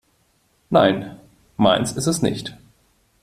Nein, meins ist es nicht.